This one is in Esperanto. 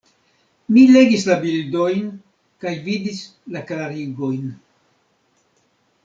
Mi legis la bildojn, kaj vidis la klarigojn.